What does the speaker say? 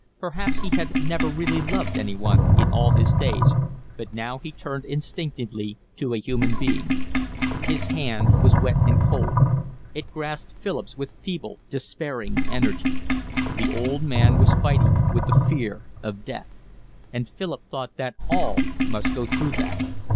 Perhaps he had never really loved anyone in all his days, but now he turned instinctively to a human being. His hand was wet and cold. It grasped Philip's with feeble, despairing energy. The old man was fighting with the fear of death. And Philip thought that all must go through that.